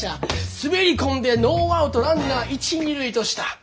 滑り込んでノーアウトランナー一二塁とした。